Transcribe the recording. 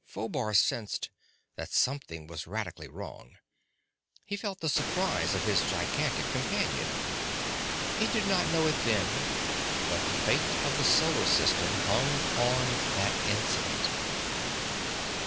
Phobar sensed that something was radically wrong. He felt the surprise of his gigantic companion. He did not know it then, but the fate of the solar system hung on that incident.